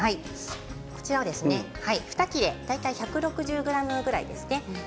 こちらは２切れ大体１６０ｇぐらいですね。